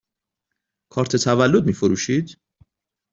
کارت تولد می فروشید؟